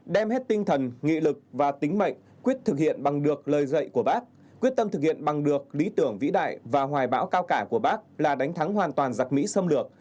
đem hết tinh thần nghị lực và tính mạnh quyết thực hiện bằng được lời dạy của bác quyết tâm thực hiện bằng được lý tưởng vĩ đại và hoài bão cao cả của bác là đánh thắng hoàn toàn giặc mỹ xâm lược